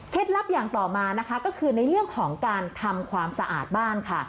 ลับอย่างต่อมานะคะก็คือในเรื่องของการทำความสะอาดบ้านค่ะ